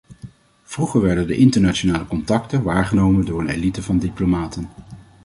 Vroeger werden de internationale contacten waargenomen door een elite van diplomaten.